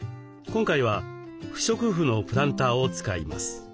今回は不織布のプランターを使います。